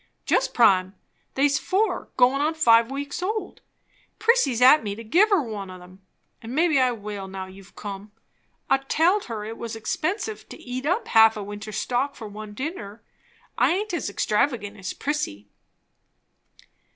"Just prime; they's four, goin' on five, weeks old. Prissy's at me to give her one on 'em; and maybe I will, now you've come. I telled her it was expensive, to eat up a half a winter's stock for one dinner. I aint as extravagant as Prissy."